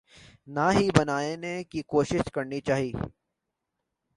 نہ ہی بنانے کی کوشش کرنی چاہیے۔